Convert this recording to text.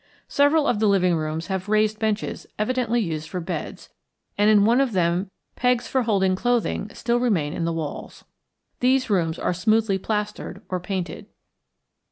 Several of the living rooms have raised benches evidently used for beds, and in one of them pegs for holding clothing still remain in the walls. The rooms are smoothly plastered or painted.